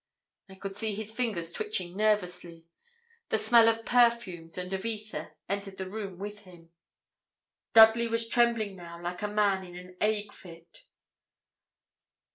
I could see his fingers twitching nervously. The smell of perfumes and of ether entered the room with him. Dudley was trembling now like a man in an ague fit.